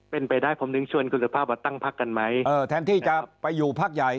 เป็นไปได้ผมถึงชวนคุณสุภาพว่าตั้งพักกันไหมเออแทนที่จะไปอยู่พักใหญ่